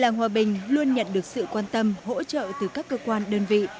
làng hòa bình luôn nhận được sự quan tâm hỗ trợ từ các cơ quan đơn vị